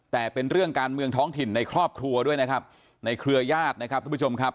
แต่เป็นเรื่องการเมืองท้องถิ่นในครอบครัวด้วยนะครับในเครือญาตินะครับทุกผู้ชมครับ